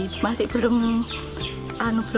jadi masih belum banyak yang kenal